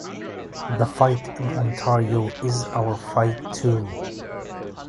The fight in Ontario is our fight too.